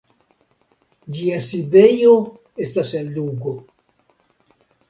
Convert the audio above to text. Ĝia sidejo estas en Lugo.